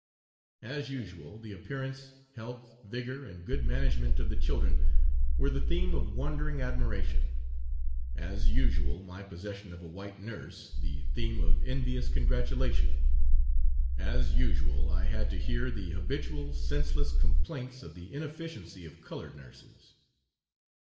As usual, the appearance, health, vigour, and good management of the children were the theme of wondering admiration; as usual, my possession of a white nurse the theme of envious congratulation; as usual, I had to hear the habitual senseless complaints of the inefficiency of coloured nurses.